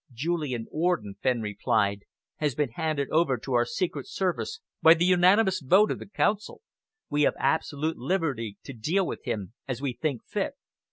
"Julian Orden," Fenn replied, "has been handed over to our secret service by the unanimous vote of the Council. We have absolute liberty to deal with him as we think fit."